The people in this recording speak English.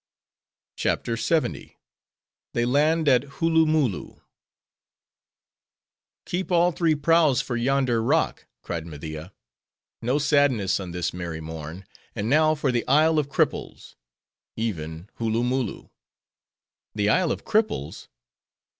CHAPTER LXX. They Land At Hooloomooloo "Keep all three prows, for yonder rock." cried Media; "No sadness on this merry morn! And now for the Isle of Cripples,—even Hooloomooloo." "The Isle of Cripples?"